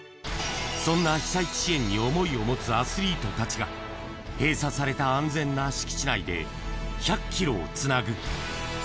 そんな被災地支援に想いを持つアスリートたちが、閉鎖された安全な敷地内で１００キロをつなぐ。